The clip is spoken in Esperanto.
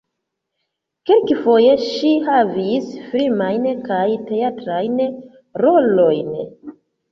Kelkfoje ŝi havis filmajn kaj teatrajn rolojn.